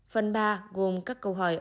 phần ba gồm các câu hỏi